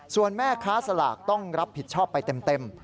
ส่วนแม่ค้าสลากต้องรับผิดชอบไปเต็ม